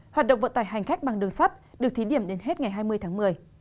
hoạt động vận tải hành khách bằng đường sắt được thí điểm đến hết ngày hai mươi tháng một mươi